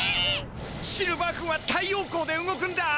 シルバー君は太陽光で動くんだ！